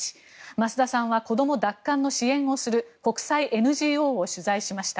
増田さんは子ども奪還の支援をする国際ＮＧＯを取材しました。